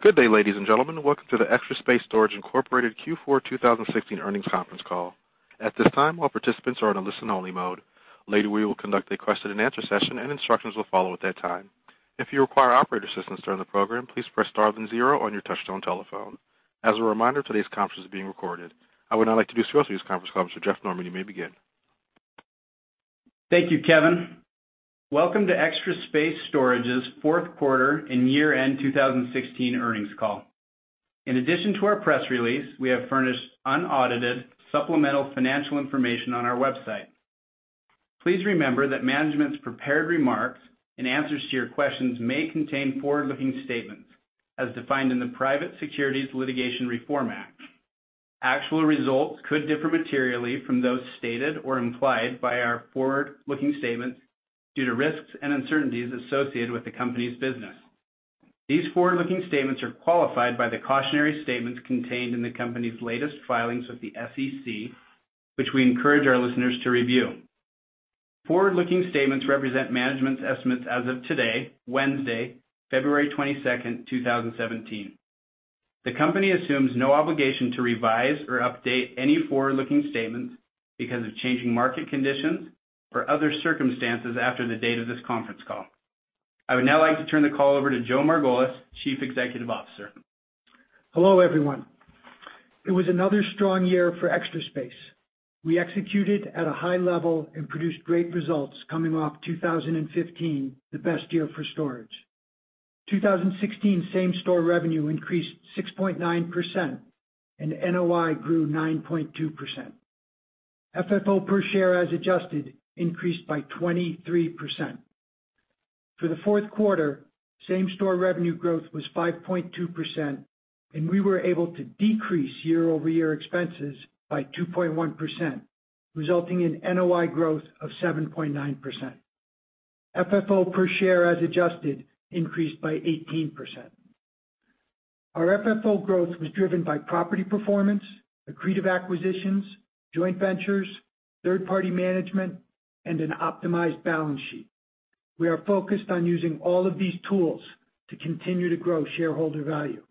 Good day, ladies and gentlemen. Welcome to the Extra Space Storage Inc. Q4 2016 earnings conference call. At this time, all participants are in a listen-only mode. Later, we will conduct a question and answer session and instructions will follow at that time. If you require operator assistance during the program, please press star then zero on your touchtone telephone. As a reminder, today's conference is being recorded. I would now like to introduce this conference call. Mr. Jeff Norman, you may begin. Thank you, Kevin. Welcome to Extra Space Storage's fourth quarter and year-end 2016 earnings call. In addition to our press release, we have furnished unaudited supplemental financial information on our website. Please remember that management's prepared remarks and answers to your questions may contain forward-looking statements as defined in the Private Securities Litigation Reform Act. Actual results could differ materially from those stated or implied by our forward-looking statements due to risks and uncertainties associated with the company's business. These forward-looking statements are qualified by the cautionary statements contained in the company's latest filings with the SEC, which we encourage our listeners to review. Forward-looking statements represent management's estimates as of today, Wednesday, February 22nd, 2017. The company assumes no obligation to revise or update any forward-looking statements because of changing market conditions or other circumstances after the date of this conference call. I would now like to turn the call over to Joe Margolis, Chief Executive Officer. Hello, everyone. It was another strong year for Extra Space. We executed at a high level and produced great results coming off 2015, the best year for storage. 2016 same-store revenue increased 6.9% and NOI grew 9.2%. FFO per share, as adjusted, increased by 23%. For the fourth quarter, same-store revenue growth was 5.2%, and we were able to decrease year-over-year expenses by 2.1%, resulting in NOI growth of 7.9%. FFO per share, as adjusted, increased by 18%. Our FFO growth was driven by property performance, accretive acquisitions, joint ventures, third-party management, and an optimized balance sheet. We are focused on using all of these tools to continue to grow shareholder value.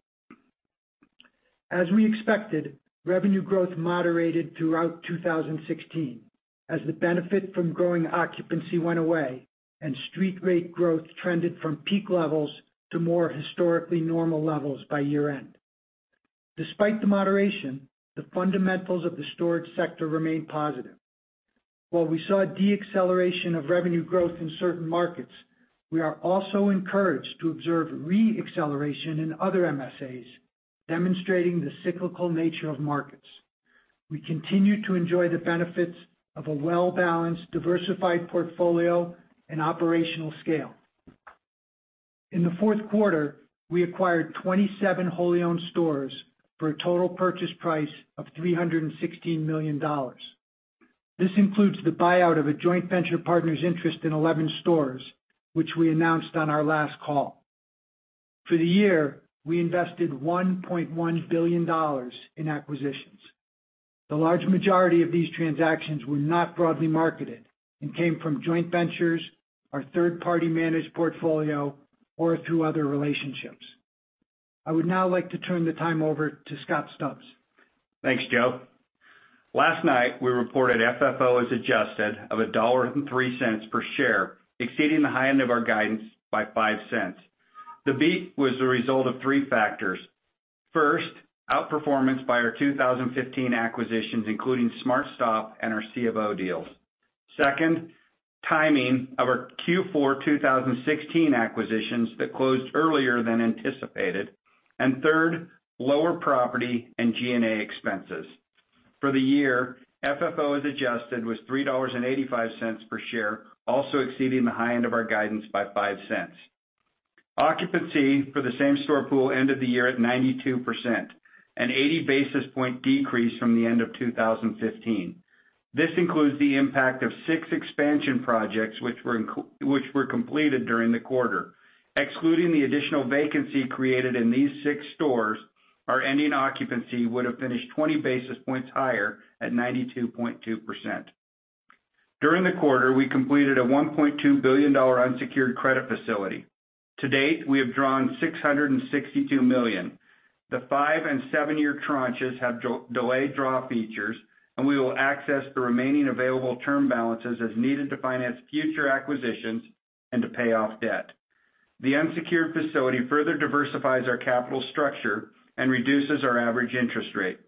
As we expected, revenue growth moderated throughout 2016 as the benefit from growing occupancy went away and street rate growth trended from peak levels to more historically normal levels by year-end. Despite the moderation, the fundamentals of the storage sector remained positive. While we saw a deacceleration of revenue growth in certain markets, we are also encouraged to observe re-acceleration in other MSAs, demonstrating the cyclical nature of markets. We continue to enjoy the benefits of a well-balanced, diversified portfolio and operational scale. In the fourth quarter, we acquired 27 wholly owned stores for a total purchase price of $316 million. This includes the buyout of a joint venture partner's interest in 11 stores, which we announced on our last call. For the year, we invested $1.1 billion in acquisitions. Thanks, Joe. The large majority of these transactions were not broadly marketed and came from joint ventures, our third-party managed portfolio, or through other relationships. I would now like to turn the time over to Scott Stubbs. Thanks, Joe. Last night, we reported FFO as adjusted of $1.03 per share, exceeding the high end of our guidance by $0.05. The beat was the result of three factors. First, outperformance by our 2015 acquisitions, including SmartStop and our C of O deals. Second, timing of our Q4 2016 acquisitions that closed earlier than anticipated. Third, lower property and G&A expenses. For the year, FFO as adjusted was $3.85 per share, also exceeding the high end of our guidance by $0.05. Occupancy for the same-store pool ended the year at 92%, an 80 basis point decrease from the end of 2015. This includes the impact of six expansion projects which were completed during the quarter. Excluding the additional vacancy created in these six stores, our ending occupancy would have finished 20 basis points higher at 92.2%. During the quarter, we completed a $1.2 billion unsecured credit facility. To date, we have drawn $662 million. The five and seven-year tranches have delayed draw features, and we will access the remaining available term balances as needed to finance future acquisitions and to pay off debt. The unsecured facility further diversifies our capital structure and reduces our average interest rate.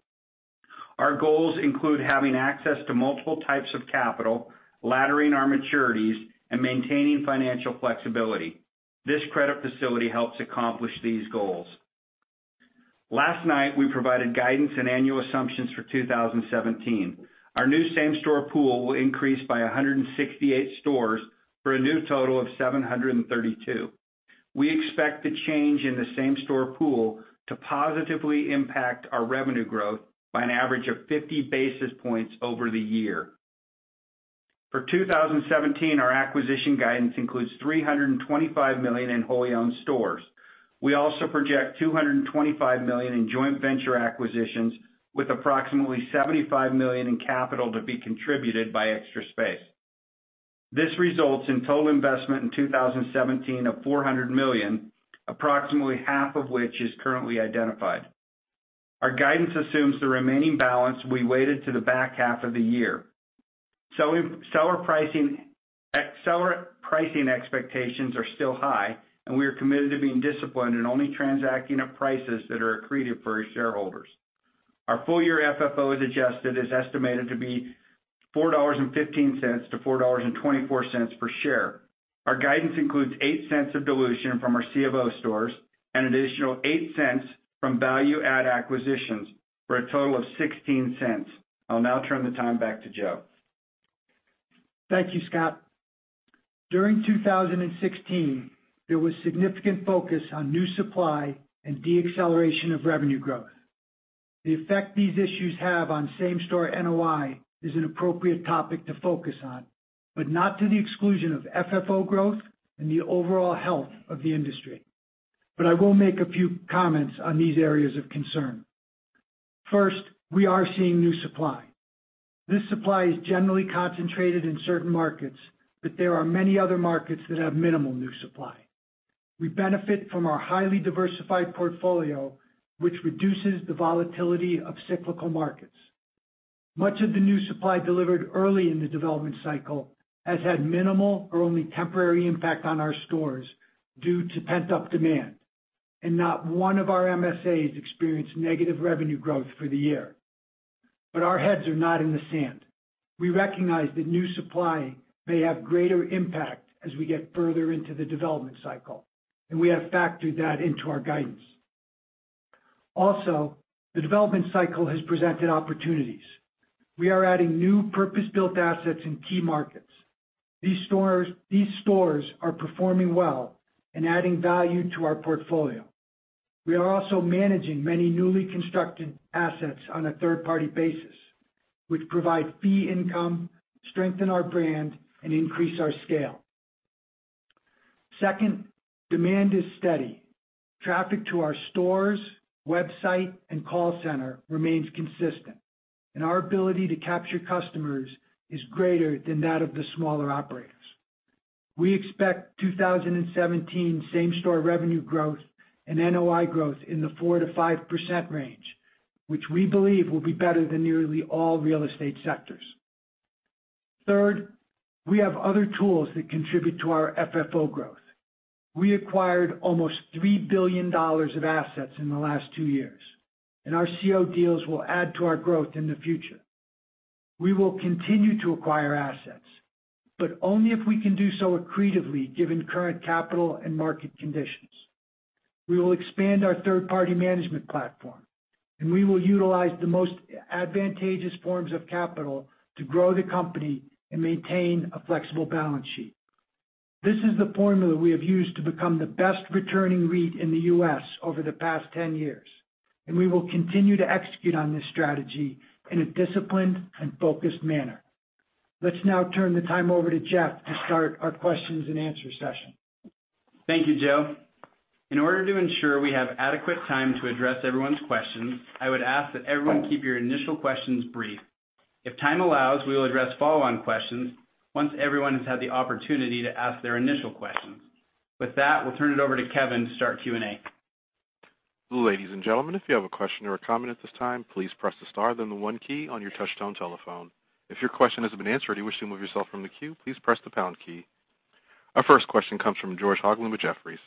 Our goals include having access to multiple types of capital, laddering our maturities, and maintaining financial flexibility. This credit facility helps accomplish these goals. Last night, we provided guidance and annual assumptions for 2017. Our new same-store pool will increase by 168 stores for a new total of 732. We expect the change in the same-store pool to positively impact our revenue growth by an average of 50 basis points over the year. For 2017, our acquisition guidance includes $325 million in wholly owned stores. We also project $225 million in joint venture acquisitions with approximately $75 million in capital to be contributed by Extra Space. This results in total investment in 2017 of $400 million, approximately half of which is currently identified. Our guidance assumes the remaining balance will be weighted to the back half of the year. Seller pricing expectations are still high, and we are committed to being disciplined and only transacting at prices that are accretive for our shareholders. Our full-year FFO as adjusted is estimated to be $4.15 to $4.24 per share. Our guidance includes $0.08 of dilution from our C of O stores, an additional $0.08 from value-add acquisitions, for a total of $0.16. I'll now turn the time back to Joe. Thank you, Scott. During 2016, there was significant focus on new supply and deacceleration of revenue growth. The effect these issues have on same-store NOI is an appropriate topic to focus on, but not to the exclusion of FFO growth and the overall health of the industry. I will make a few comments on these areas of concern. First, we are seeing new supply. This supply is generally concentrated in certain markets, but there are many other markets that have minimal new supply. We benefit from our highly diversified portfolio, which reduces the volatility of cyclical markets. Much of the new supply delivered early in the development cycle has had minimal or only temporary impact on our stores due to pent-up demand, and not one of our MSAs experienced negative revenue growth for the year. Our heads are not in the sand. We recognize that new supply may have greater impact as we get further into the development cycle, we have factored that into our guidance. Also, the development cycle has presented opportunities. We are adding new purpose-built assets in key markets. These stores are performing well and adding value to our portfolio. We are also managing many newly constructed assets on a third-party basis, which provide fee income, strengthen our brand, and increase our scale. Second, demand is steady. Traffic to our stores, website, and call center remains consistent, and our ability to capture customers is greater than that of the smaller operators. We expect 2017 same-store revenue growth and NOI growth in the 4%-5% range, which we believe will be better than nearly all real estate sectors. Third, we have other tools that contribute to our FFO growth. We acquired almost $3 billion of assets in the last two years, our C of O deals will add to our growth in the future. We will continue to acquire assets, only if we can do so accretively given current capital and market conditions. We will expand our third-party management platform, and we will utilize the most advantageous forms of capital to grow the company and maintain a flexible balance sheet. This is the formula we have used to become the best returning REIT in the U.S. over the past ten years, and we will continue to execute on this strategy in a disciplined and focused manner. Let's now turn the time over to Jeff to start our questions and answers session. Thank you, Joe. In order to ensure we have adequate time to address everyone's questions, I would ask that everyone keep your initial questions brief. If time allows, we will address follow-on questions once everyone has had the opportunity to ask their initial questions. With that, we'll turn it over to Kevin to start Q&A. Ladies and gentlemen, if you have a question or a comment at this time, please press the star then the 1 key on your touchtone telephone. If your question has been answered and you wish to remove yourself from the queue, please press the pound key. Our first question comes from George Hoglund with Jefferies.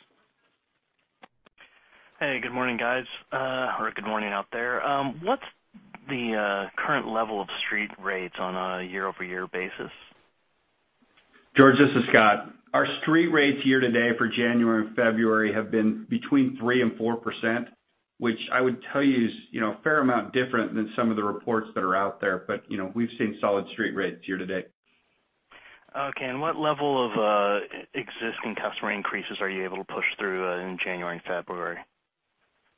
Hey, good morning, guys, or good morning out there. What's the current level of street rates on a year-over-year basis? George, this is Scott. Our street rates year-to-date for January and February have been between 3% and 4%, which I would tell you is a fair amount different than some of the reports that are out there. We've seen solid street rates year-to-date. Okay, what level of existing customer increases are you able to push through in January and February?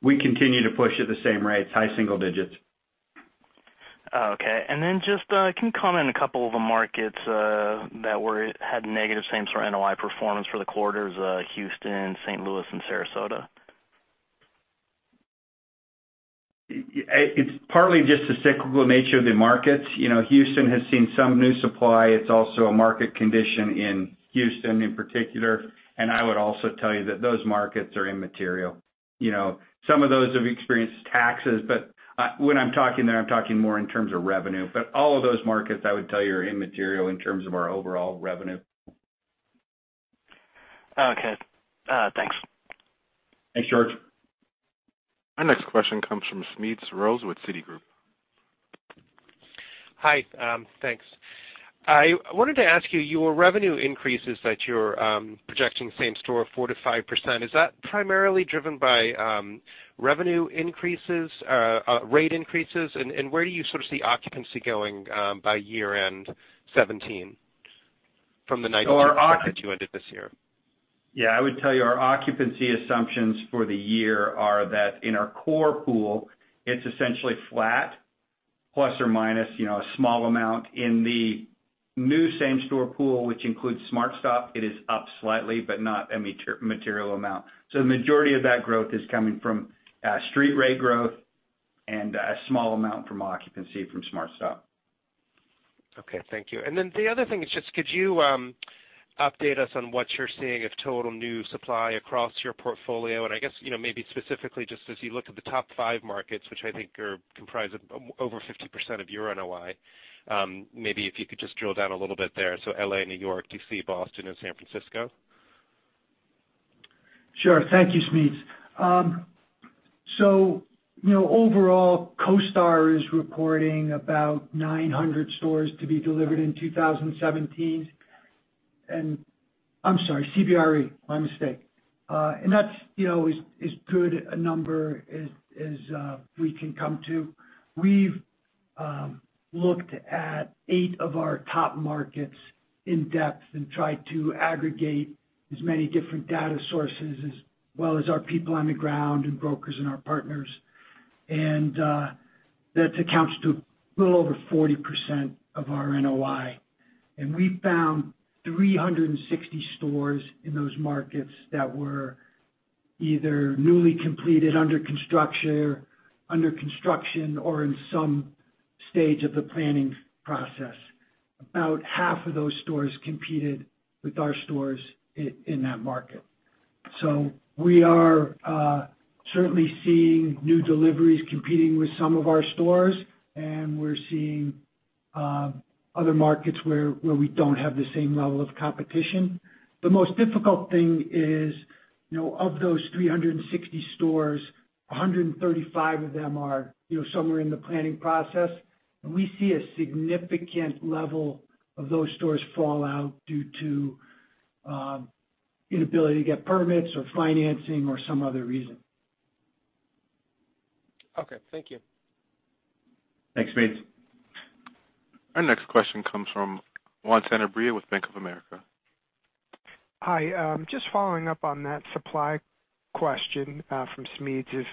We continue to push at the same rates, high single digits. Okay, just can you comment on a couple of the markets that had negative same-store NOI performance for the quarters, Houston, St. Louis, and Sarasota? It's partly just the cyclical nature of the markets. Houston has seen some new supply. It's also a market condition in Houston in particular. I would also tell you that those markets are immaterial. Some of those have experienced taxes, but when I'm talking there, I'm talking more in terms of revenue. All of those markets, I would tell you, are immaterial in terms of our overall revenue. Okay. Thanks. Thanks, George. Our next question comes from Smedes Rose with Citi. Hi. Thanks. I wanted to ask you, your revenue increases that you're projecting same store 4%-5%, is that primarily driven by revenue increases, rate increases? Where do you sort of see occupancy going by year-end 2017 from the guidance? So our occ- -that you ended this year? Yeah, I would tell you our occupancy assumptions for the year are that in our core pool, it's essentially flat plus or minus a small amount. In the new same-store pool, which includes SmartStop, it is up slightly, but not a material amount. The majority of that growth is coming from street rate growth a small amount from occupancy from SmartStop. Okay, thank you. The other thing is just, could you update us on what you're seeing of total new supply across your portfolio? I guess, maybe specifically just as you look at the top five markets, which I think comprise of over 50% of your NOI, maybe if you could just drill down a little bit there. L.A., New York, D.C., Boston, and San Francisco. Sure. Thank you, Smeddes. CoStar is reporting about 900 stores to be delivered in 2017. I'm sorry, CBRE, my mistake. That's as good a number as we can come to. We've looked at eight of our top markets in depth and tried to aggregate as many different data sources as well as our people on the ground and brokers and our partners. That accounts to a little over 40% of our NOI. We found 360 stores in those markets that were either newly completed, under construction, or in some stage of the planning process. About half of those stores competed with our stores in that market. We are certainly seeing new deliveries competing with some of our stores, and we're seeing other markets where we don't have the same level of competition. The most difficult thing is of those 360 stores, 135 of them are somewhere in the planning process. We see a significant level of those stores fall out due to inability to get permits or financing or some other reason. Okay, thank you. Thanks, Smead. Our next question comes from Juan Sanabria with Bank of America. Hi, just following up on that supply question from Smedes.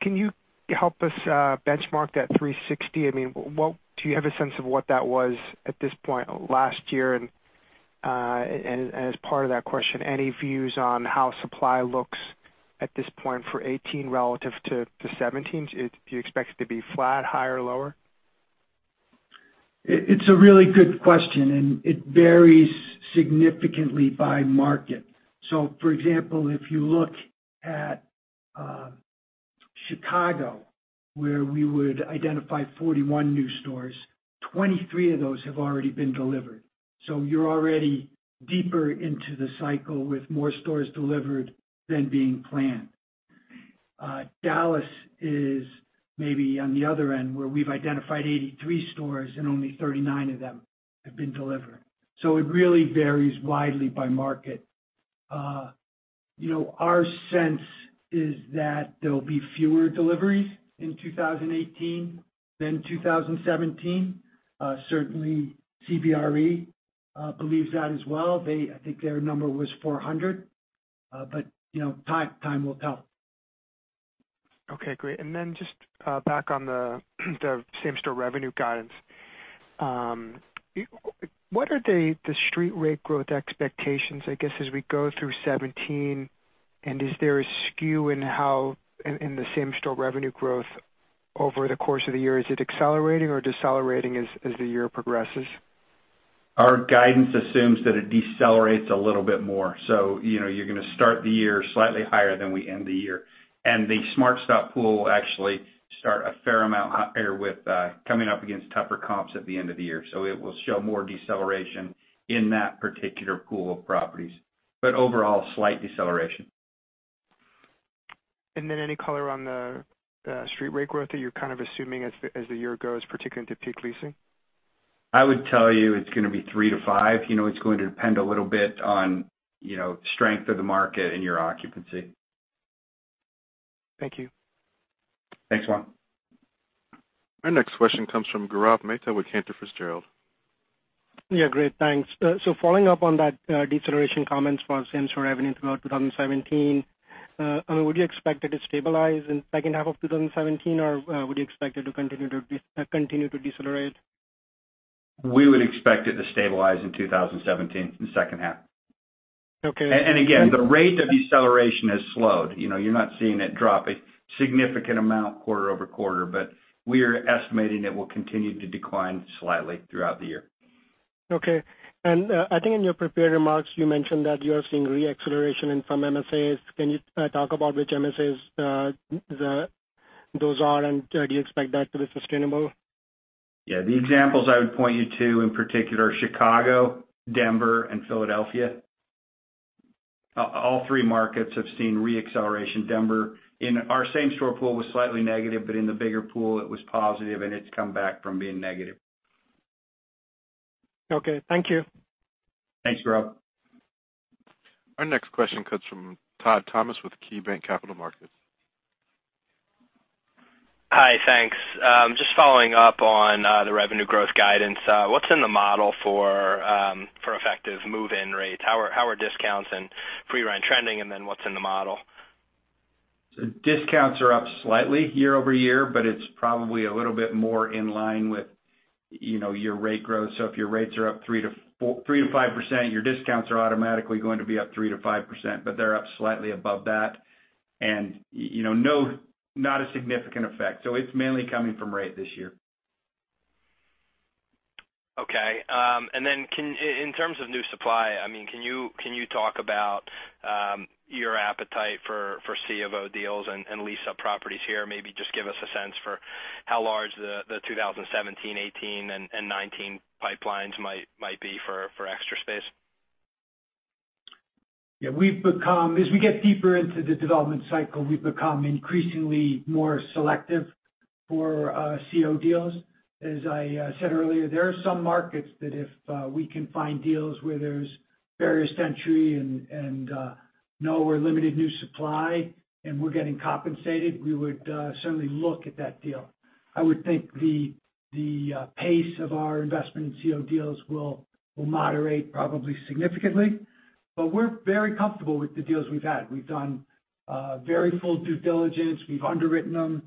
Can you help us benchmark that 360? Do you have a sense of what that was at this point last year? As part of that question, any views on how supply looks at this point for 2018 relative to 2017? Do you expect it to be flat, higher, or lower? It's a really good question, and it varies significantly by market. For example, if you look at Chicago, where we would identify 41 new stores, 23 of those have already been delivered. You're already deeper into the cycle with more stores delivered than being planned. Dallas is maybe on the other end, where we've identified 83 stores and only 39 of them have been delivered. It really varies widely by market. Our sense is that there'll be fewer deliveries in 2018 than 2017. Certainly CBRE believes that as well. I think their number was 400. Time will tell. Okay, great. Then just back on the same-store revenue guidance. What are the street rate growth expectations, I guess, as we go through 2017, and is there a skew in the same-store revenue growth over the course of the year? Is it accelerating or decelerating as the year progresses? Our guidance assumes that it decelerates a little bit more. You're going to start the year slightly higher than we end the year. The SmartStop pool will actually start a fair amount higher with coming up against tougher comps at the end of the year. It will show more deceleration in that particular pool of properties. Overall, slight deceleration. Any color on the street rate growth that you're kind of assuming as the year goes, particularly into peak leasing? I would tell you it's going to be three to five. It's going to depend a little bit on strength of the market and your occupancy. Thank you. Thanks, Juan. Our next question comes from Gaurav Mehta with Cantor Fitzgerald. Yeah, great, thanks. Following up on that deceleration comments for same-store revenue throughout 2017, would you expect it to stabilize in second half of 2017, or would you expect it to continue to decelerate? We would expect it to stabilize in 2017, in the second half. Okay. Again, the rate of deceleration has slowed. You're not seeing it drop a significant amount quarter-over-quarter, but we are estimating it will continue to decline slightly throughout the year. Okay. I think in your prepared remarks, you mentioned that you are seeing re-acceleration in some MSAs. Can you talk about which MSAs those are, and do you expect that to be sustainable? Yeah, the examples I would point you to in particular are Chicago, Denver, and Philadelphia. All three markets have seen re-acceleration. Denver in our same store pool was slightly negative, but in the bigger pool, it was positive, and it's come back from being negative. Okay, thank you. Thanks, Gaurav. Our next question comes from Todd Thomas with KeyBanc Capital Markets. Hi, thanks. Just following up on the revenue growth guidance. What's in the model for effective move-in rates? How are discounts and pre-rent trending, and then what's in the model? Discounts are up slightly year-over-year, but it's probably a little bit more in line with your rate growth. If your rates are up 3%-5%, your discounts are automatically going to be up 3%-5%, but they're up slightly above that. Not a significant effect. It's mainly coming from rate this year. Okay. Then in terms of new supply, can you talk about your appetite for C of O deals and lease-up properties here? Maybe just give us a sense for how large the 2017, 2018, and 2019 pipelines might be for Extra Space. Yeah. As we get deeper into the development cycle, we've become increasingly more selective for C of O deals. As I said earlier, there are some markets that if we can find deals where there's barriers to entry and no or limited new supply, and we're getting compensated, we would certainly look at that deal. I would think the pace of our investment in C of O deals will moderate probably significantly, but we're very comfortable with the deals we've had. We've done very full due diligence. We've underwritten them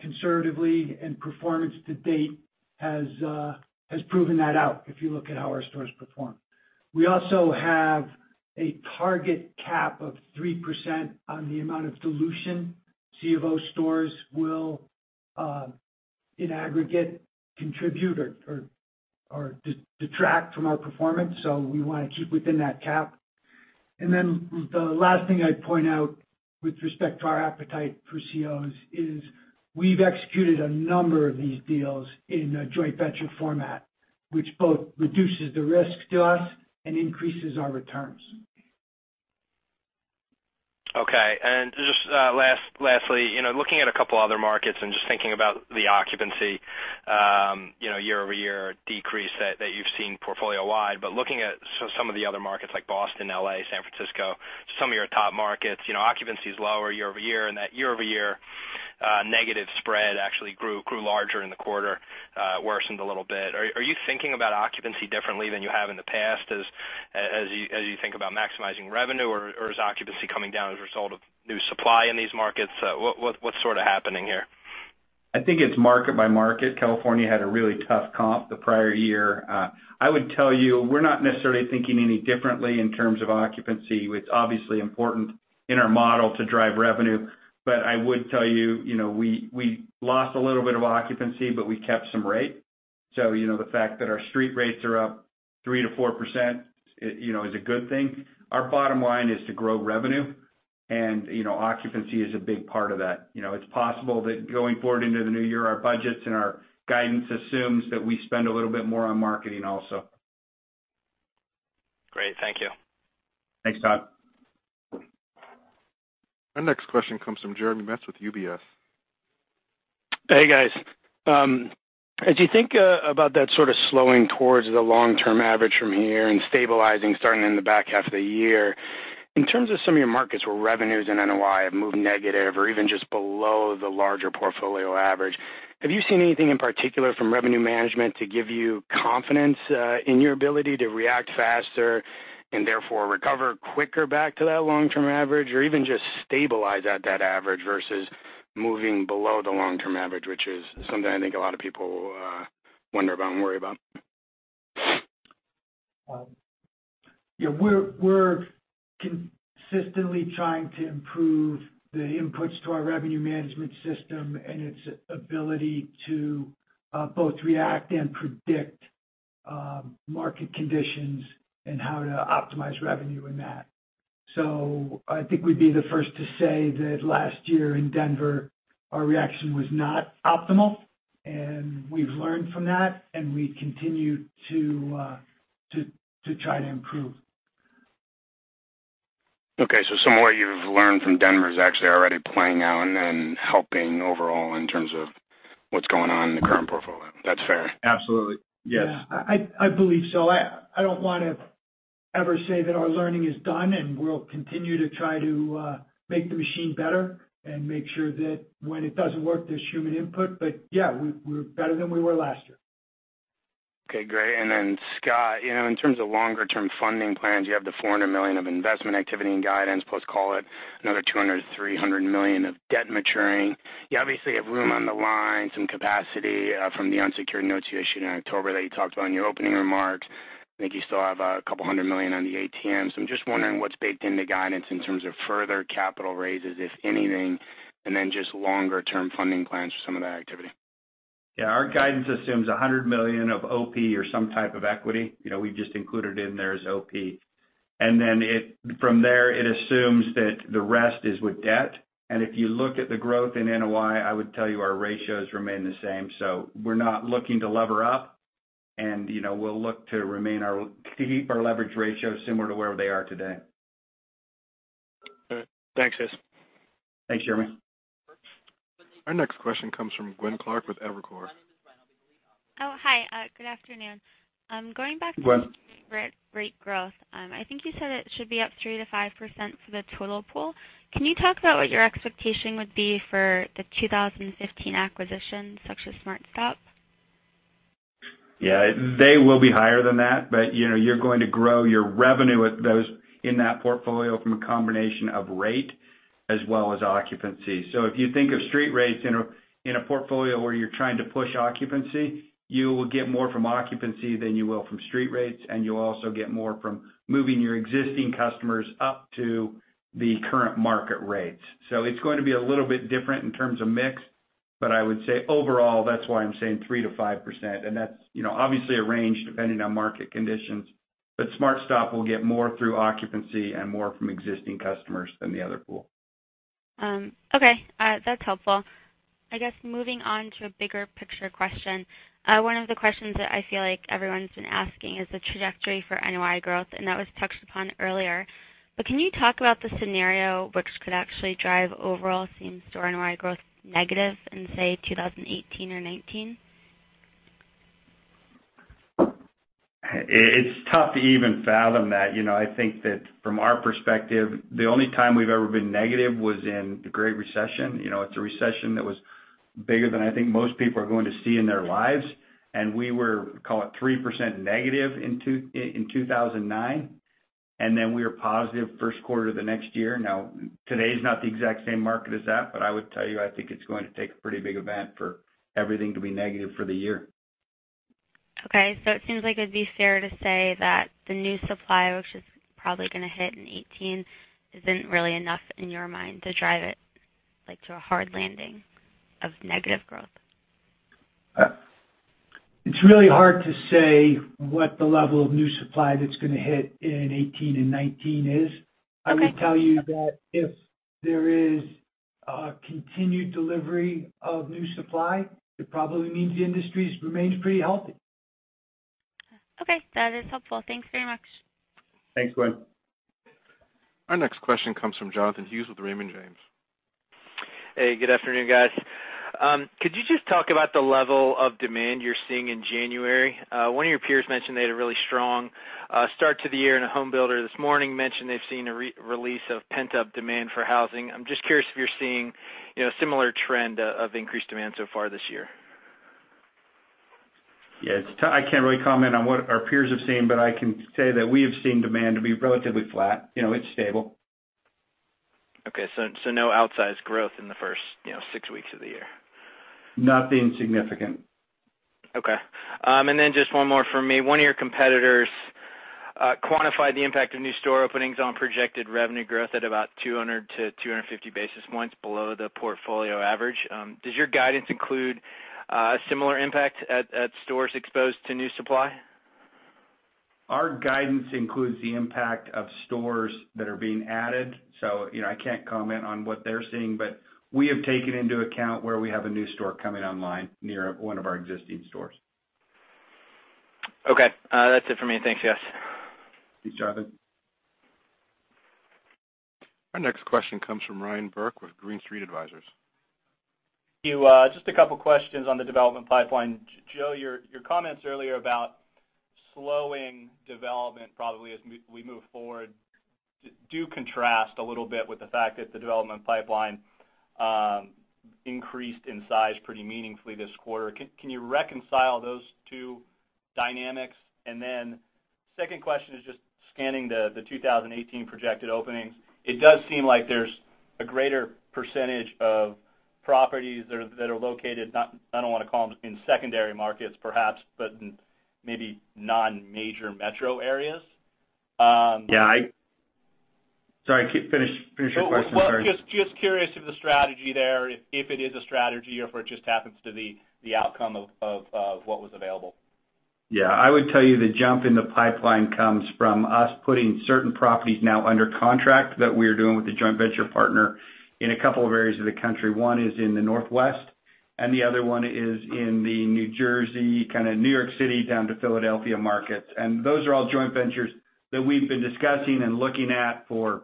conservatively, and performance to date has proven that out, if you look at how our stores perform. We also have a target cap of 3% on the amount of dilution C of O stores will, in aggregate, contribute or detract from our performance, so we want to keep within that cap. Then the last thing I'd point out with respect to our appetite for C of Os is we've executed a number of these deals in a joint venture format, which both reduces the risk to us and increases our returns. Okay. Just lastly, looking at a couple of other markets and just thinking about the occupancy year-over-year decrease that you've seen portfolio-wide. Looking at some of the other markets like Boston, L.A., San Francisco, some of your top markets, occupancy is lower year-over-year, and that year-over-year negative spread actually grew larger in the quarter, worsened a little bit. Are you thinking about occupancy differently than you have in the past as you think about maximizing revenue, or is occupancy coming down as a result of new supply in these markets? What's sort of happening here? I think it's market by market. California had a really tough comp the prior year. I would tell you, we're not necessarily thinking any differently in terms of occupancy. It's obviously important in our model to drive revenue. I would tell you, we lost a little bit of occupancy, but we kept some rate. The fact that our street rates are up 3%-4% is a good thing. Our bottom line is to grow revenue, and occupancy is a big part of that. It's possible that going forward into the new year, our budgets and our guidance assumes that we spend a little bit more on marketing also. Great. Thank you. Thanks, Todd. Our next question comes from Jeremy Metz with UBS. Hey, guys. As you think about that sort of slowing towards the long-term average from here and stabilizing starting in the back half of the year, in terms of some of your markets where revenues and NOI have moved negative or even just below the larger portfolio average, have you seen anything in particular from revenue management to give you confidence in your ability to react faster and therefore recover quicker back to that long-term average or even just stabilize at that average versus moving below the long-term average, which is something I think a lot of people wonder about and worry about? Yeah. We're consistently trying to improve the inputs to our revenue management system and its ability to both react and predict market conditions and how to optimize revenue in that. I think we'd be the first to say that last year in Denver, our reaction was not optimal, and we've learned from that, and we continue to try to improve. Some of what you've learned from Denver is actually already playing out and then helping overall in terms of what's going on in the current portfolio. That's fair. Absolutely. Yes. Yeah. I believe so. I don't want to ever say that our learning is done, and we'll continue to try to make the machine better and make sure that when it doesn't work, there's human input. Yeah, we're better than we were last year. Okay, great. Scott, in terms of longer-term funding plans, you have the $400 million of investment activity and guidance, plus call it another $200 million-$300 million of debt maturing. You obviously have room on the line, some capacity from the unsecured notes you issued in October that you talked about in your opening remarks. I think you still have a couple $100 million on the ATM. I'm just wondering what's baked into guidance in terms of further capital raises, if anything, and then just longer-term funding plans for some of that activity. Yeah, our guidance assumes $100 million of OP or some type of equity. We've just included in there as OP. From there, it assumes that the rest is with debt, and if you look at the growth in NOI, I would tell you our ratios remain the same. We're not looking to lever up, and we'll look to keep our leverage ratios similar to where they are today. All right. Thanks, guys. Thanks, Jeremy. Our next question comes from Gwen Clark with Evercore. Oh, hi. Good afternoon. Gwen. Going back to rate growth, I think you said it should be up 3%-5% for the total pool. Can you talk about what your expectation would be for the 2015 acquisition, such as SmartStop? Yeah. They will be higher than that, you're going to grow your revenue with those in that portfolio from a combination of rate as well as occupancy. If you think of street rates in a portfolio where you're trying to push occupancy, you will get more from occupancy than you will from street rates, and you'll also get more from moving your existing customers up to the current market rates. It's going to be a little bit different in terms of mix, I would say overall, that's why I'm saying 3%-5%. That's obviously a range depending on market conditions. SmartStop will get more through occupancy and more from existing customers than the other pool. Okay. That's helpful. I guess, moving on to a bigger picture question. One of the questions that I feel like everyone's been asking is the trajectory for NOI growth, and that was touched upon earlier. Can you talk about the scenario which could actually drive overall same-store NOI growth negative in, say, 2018 or 2019? It's tough to even fathom that. I think that from our perspective, the only time we've ever been negative was in the Great Recession. It's a recession that was bigger than I think most people are going to see in their lives. We were, call it 3% negative in 2009, then we were positive first quarter the next year. Now, today's not the exact same market as that, I would tell you, I think it's going to take a pretty big event for everything to be negative for the year. Okay. It seems like it'd be fair to say that the new supply, which is probably going to hit in 2018, isn't really enough in your mind to drive it to a hard landing of negative growth. It's really hard to say what the level of new supply that's going to hit in 2018 and 2019 is. Okay. I would tell you that if there is a continued delivery of new supply, it probably means the industry remains pretty healthy. Okay. That is helpful. Thanks very much. Thanks, Gwen. Our next question comes from Jonathan Hughes with Raymond James. Hey, good afternoon, guys. Could you just talk about the level of demand you're seeing in January? One of your peers mentioned they had a really strong start to the year, a home builder this morning mentioned they've seen a release of pent-up demand for housing. I'm just curious if you're seeing a similar trend of increased demand so far this year. Yeah. I can't really comment on what our peers have seen, I can say that we have seen demand to be relatively flat. It's stable. Okay, no outsized growth in the first six weeks of the year. Nothing significant. Okay. Then just one more from me. One of your competitors quantified the impact of new store openings on projected revenue growth at about 200-250 basis points below the portfolio average. Does your guidance include a similar impact at stores exposed to new supply? Our guidance includes the impact of stores that are being added. I can't comment on what they're seeing, but we have taken into account where we have a new store coming online near one of our existing stores. Okay. That's it for me. Thanks, guys. Thanks, Jonathan. Our next question comes from Ryan Burke with Green Street Advisors. Just a couple questions on the development pipeline. Joe, your comments earlier about slowing development probably as we move forward do contrast a little bit with the fact that the development pipeline increased in size pretty meaningfully this quarter. Can you reconcile those two dynamics? Second question is just scanning the 2018 projected openings. It does seem like there's a greater percentage of properties that are located, I don't want to call them in secondary markets, perhaps, but in maybe non-major metro areas. Yeah. Sorry, finish your question. Sorry. Just curious of the strategy there, if it is a strategy or if it just happens to the outcome of what was available. Yeah. I would tell you the jump in the pipeline comes from us putting certain properties now under contract that we are doing with a joint venture partner in a couple of areas of the country. One is in the Northwest, and the other one is in the New Jersey, kind of New York City down to Philadelphia market. Those are all joint ventures that we've been discussing and looking at for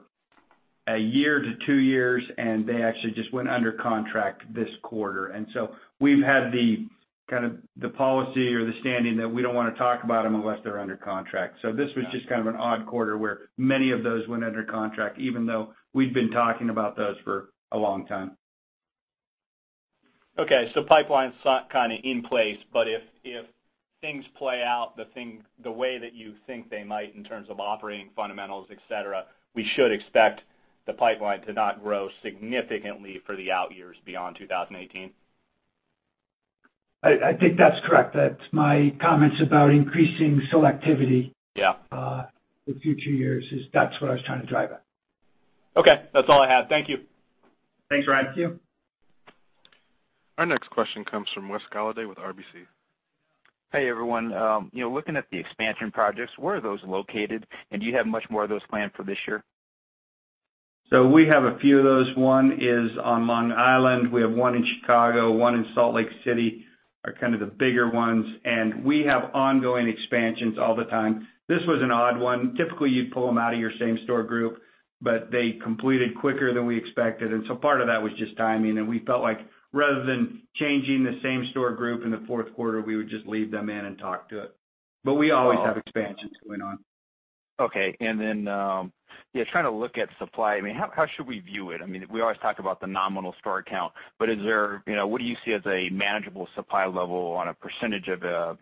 1 year to 2 years, and they actually just went under contract this quarter. We've had the kind of policy or the standing that we don't want to talk about them unless they're under contract. This was just kind of an odd quarter where many of those went under contract, even though we'd been talking about those for a long time. Okay, pipeline's kind of in place. If things play out the way that you think they might in terms of operating fundamentals, et cetera, we should expect the pipeline to not grow significantly for the out years beyond 2018? I think that's correct. That's my comments about increasing selectivity. Yeah for future years. That's what I was trying to drive at. Okay. That's all I had. Thank you. Thanks, Ryan. Thank you. Our next question comes from Wes Golladay with RBC. Hey, everyone. Looking at the expansion projects, where are those located? Do you have much more of those planned for this year? We have a few of those. One is on Long Island, we have one in Chicago, one in Salt Lake City, are kind of the bigger ones, we have ongoing expansions all the time. This was an odd one. Typically, you'd pull them out of your same store group, they completed quicker than we expected, part of that was just timing, we felt like rather than changing the same store group in the fourth quarter, we would just leave them in and talk to it. We always have expansions going on. Okay. Trying to look at supply, how should we view it? We always talk about the nominal store count, what do you see as a manageable supply level on a percentage of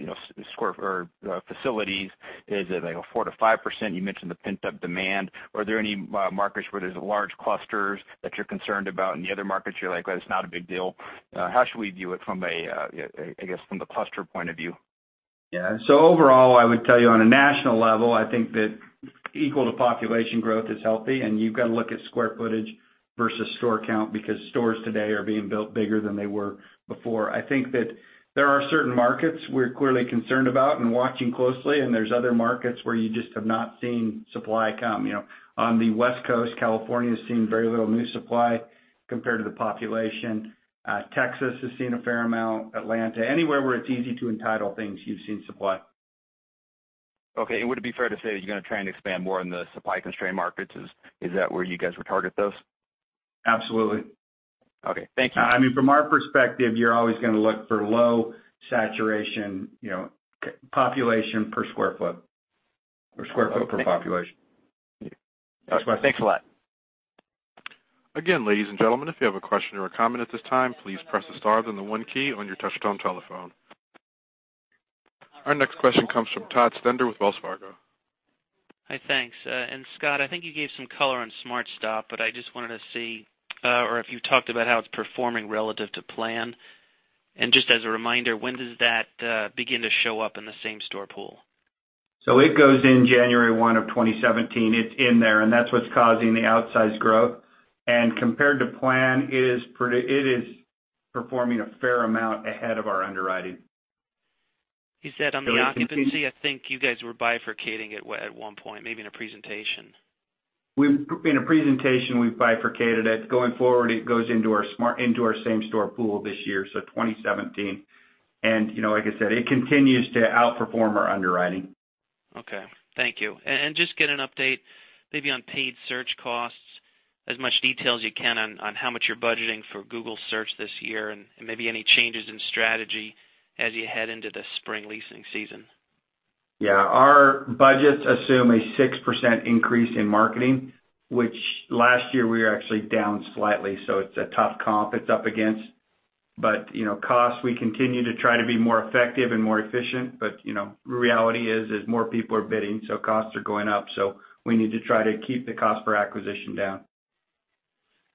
facilities? Is it like a 4%-5%? You mentioned the pent-up demand. Are there any markets where there's large clusters that you're concerned about, the other markets you're like, "Well, it's not a big deal." How should we view it from, I guess, the cluster point of view? Overall, I would tell you on a national level, I think that equal to population growth is healthy, and you've got to look at square footage versus store count because stores today are being built bigger than they were before. I think that there are certain markets we're clearly concerned about and watching closely, and there's other markets where you just have not seen supply come. On the West Coast, California's seen very little new supply compared to the population. Texas has seen a fair amount. Atlanta. Anywhere where it's easy to entitle things, you've seen supply. Okay. Would it be fair to say that you're going to try and expand more in the supply-constrained markets? Is that where you guys would target those? Absolutely. Okay. Thank you. From our perspective, you're always going to look for low saturation, population per square foot, or square foot per population. Thanks a lot. Ladies and gentlemen, if you have a question or a comment at this time, please press the star then the one key on your touch-tone telephone. Our next question comes from Todd Stender with Wells Fargo. Hi. Thanks. Scott, I think you gave some color on SmartStop, but I just wanted to see or if you talked about how it's performing relative to plan. Just as a reminder, when does that begin to show up in the same-store pool? It goes in January one of 2017. It's in there, and that's what's causing the outsized growth. Compared to plan, it is performing a fair amount ahead of our underwriting. You said on the occupancy, I think you guys were bifurcating it at 1 point, maybe in a presentation. In a presentation, we've bifurcated it. Going forward, it goes into our same-store pool this year, so 2017. Like I said, it continues to outperform our underwriting. Okay. Thank you. Just get an update maybe on paid search costs, as much detail as you can on how much you're budgeting for Google Search this year and maybe any changes in strategy as you head into the spring leasing season. Yeah. Our budgets assume a 6% increase in marketing, which last year we were actually down slightly, it's a tough comp it's up against. Costs, we continue to try to be more effective and more efficient, but reality is, more people are bidding, costs are going up. We need to try to keep the cost per acquisition down.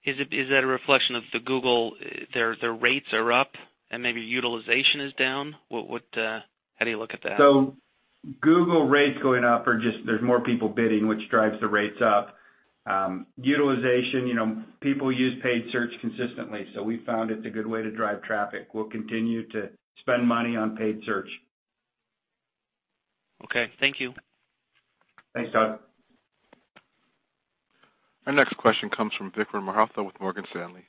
Is that a reflection of the Google, their rates are up and maybe utilization is down? How do you look at that? Google rates going up or just there's more people bidding, which drives the rates up. Utilization, people use paid search consistently, so we found it's a good way to drive traffic. We'll continue to spend money on paid search. Okay. Thank you. Thanks, Todd. Our next question comes from Vikram Malhotra with Morgan Stanley.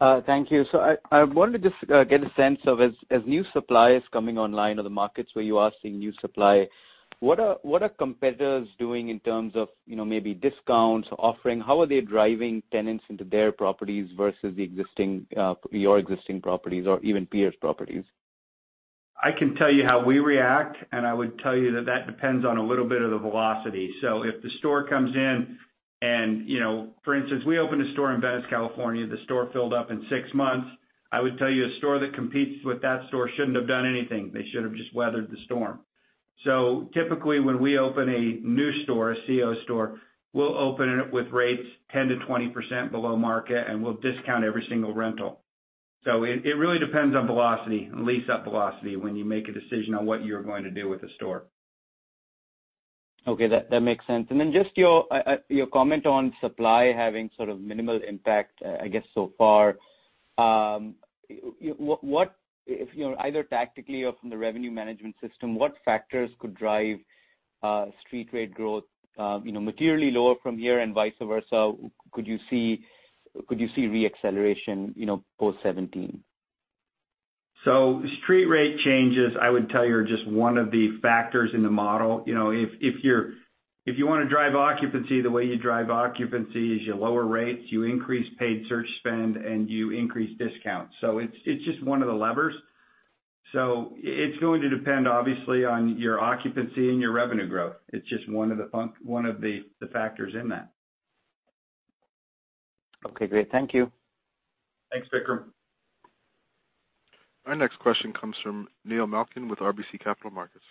I wanted to just get a sense of, as new supply is coming online or the markets where you are seeing new supply, what are competitors doing in terms of maybe discounts offering? How are they driving tenants into their properties versus your existing properties or even peers' properties? I can tell you how we react, and I would tell you that that depends on a little bit of the velocity. If the store comes in and, for instance, we opened a store in Venice, California. The store filled up in six months. I would tell you, a store that competes with that store shouldn't have done anything. They should have just weathered the storm. Typically, when we open a new store, a C of O store, we'll open it with rates 10%-20% below market, and we'll discount every single rental. It really depends on velocity, on lease-up velocity, when you make a decision on what you're going to do with the store. Okay. That makes sense. Then just your comment on supply having sort of minimal impact, I guess, so far. Either tactically or from the revenue management system, what factors could drive street rate growth materially lower from here and vice versa? Could you see re-acceleration, post 2017? street rate changes, I would tell you, are just one of the factors in the model. If you want to drive occupancy, the way you drive occupancy is you lower rates, you increase paid search spend, and you increase discounts. It's just one of the levers. It's going to depend, obviously, on your occupancy and your revenue growth. It's just one of the factors in that. Okay, great. Thank you. Thanks, Vikram. Our next question comes from Neil Malkin with RBC Capital Markets.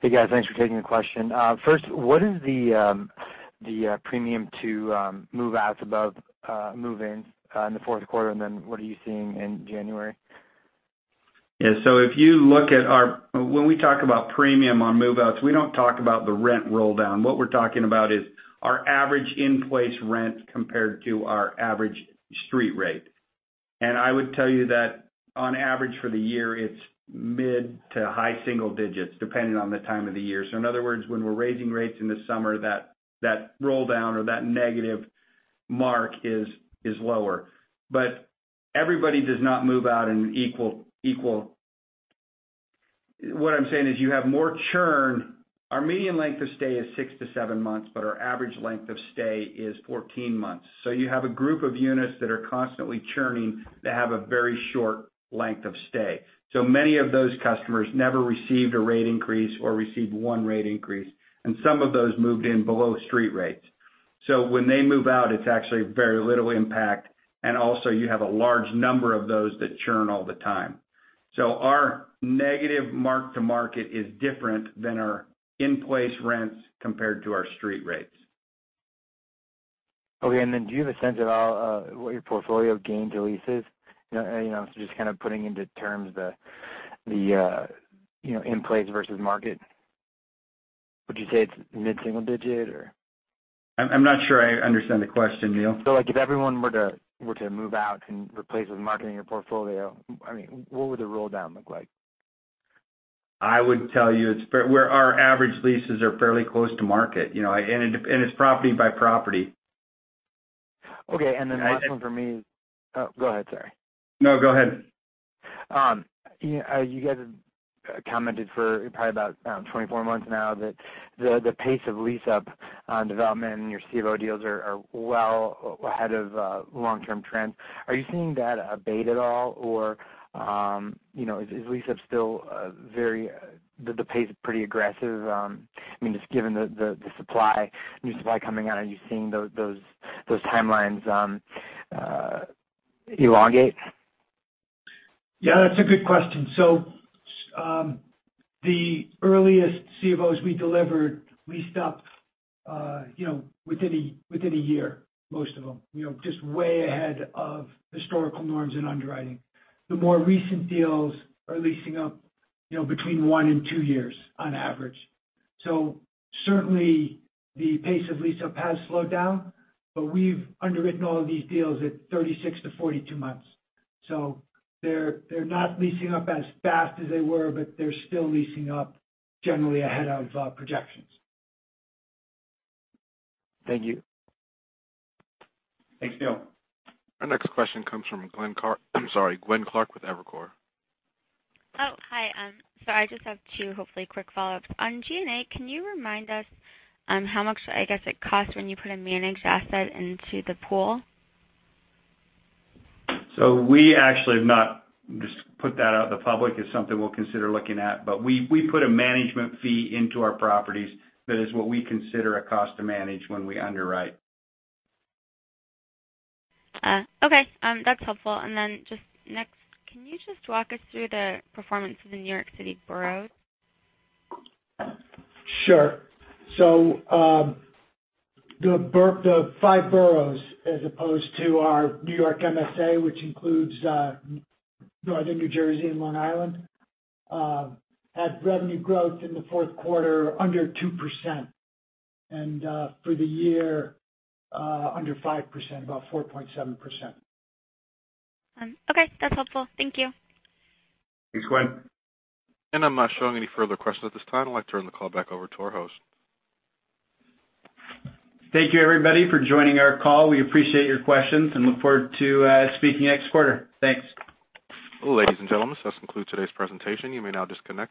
Hey, guys. Thanks for taking the question. First, what is the premium to move-outs above move-ins in the fourth quarter, and then what are you seeing in January? Yeah. When we talk about premium on move-outs, we don't talk about the rent roll down. What we're talking about is our average in-place rent compared to our average street rate. I would tell you that on average for the year, it's mid to high single digits, depending on the time of the year. In other words, when we're raising rates in the summer, that roll down or that negative mark is lower. Everybody does not move out. What I'm saying is you have more churn. Our median length of stay is six to seven months, but our average length of stay is 14 months. You have a group of units that are constantly churning that have a very short length of stay. Many of those customers never received a rate increase or received one rate increase, and some of those moved in below street rates. When they move out, it's actually very little impact, and also you have a large number of those that churn all the time. Our negative mark to market is different than our in-place rents compared to our street rates. Okay, do you have a sense at all what your portfolio gains or leases, just kind of putting into terms the in-place versus market? Would you say it's mid-single digit, or? I'm not sure I understand the question, Neil. If everyone were to move out and replace with marketing your portfolio, what would the roll-down look like? I would tell you our average leases are fairly close to market. It's property by property. Okay. Oh, go ahead, sorry. No, go ahead. You guys have commented for probably about 24 months now that the pace of lease-up on development and your C of O deals are well ahead of long-term trends. Are you seeing that abate at all, or is lease-up still the pace is pretty aggressive? Just given the new supply coming on, are you seeing those timelines elongate? Yeah, that's a good question. The earliest C of Os we delivered leased up within a year, most of them. Just way ahead of historical norms in underwriting. The more recent deals are leasing up between one and two years on average. Certainly the pace of lease-up has slowed down, but we've underwritten all of these deals at 36-42 months. They're not leasing up as fast as they were, but they're still leasing up generally ahead of projections. Thank you. Thanks, Neil. Our next question comes from Gwen Clark with Evercore. Hi. I just have two hopefully quick follow-ups. On G&A, can you remind us how much, I guess, it costs when you put a managed asset into the pool? We actually have not just put that out in the public. It's something we'll consider looking at. We put a management fee into our properties that is what we consider a cost to manage when we underwrite. Okay, that's helpful. Just next, can you just walk us through the performance of the New York City boroughs? Sure. The five boroughs, as opposed to our New York MSA, which includes Northern New Jersey and Long Island, had revenue growth in the fourth quarter under 2%, and for the year under 5%, about 4.7%. Okay, that's helpful. Thank you. Thanks, Gwen. I am not showing any further questions at this time. I'd like to turn the call back over to our host. Thank you everybody for joining our call. We appreciate your questions and look forward to speaking next quarter. Thanks. Ladies and gentlemen, this concludes today's presentation. You may now disconnect.